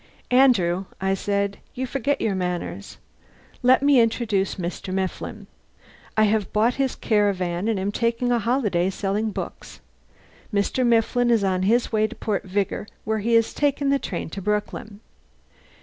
"Andrew," I said, "you forget your manners. Let me introduce Mr. Mifflin. I have bought his caravan and am taking a holiday, selling books. Mr. Mifflin is on his way to Port Vigor where he takes the train to Brooklyn."